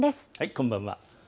こんばんは。